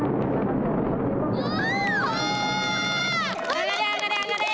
上がれ、上がれ、上がれ！